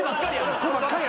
こればっかり。